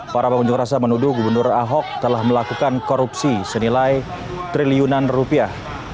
para pengunjuk rasa menuduh gubernur ahok telah melakukan korupsi senilai triliunan rupiah